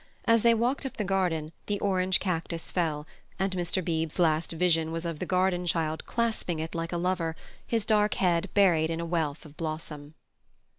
As they walked up the garden, the orange cactus fell, and Mr. Beebe's last vision was of the garden child clasping it like a lover, his dark head buried in a wealth of blossom.